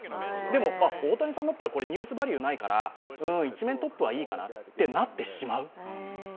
でも、大谷さんだったら、ニュースバリューないから、うーん、一面トップはいいかなってなってしまう。